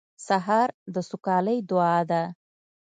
سهار د سوکالۍ دعا ده.